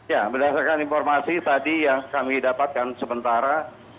ya berdasarkan informasi tadi yang kami dapatkan sementara